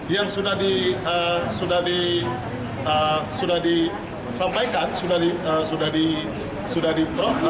yang sudah disampaikan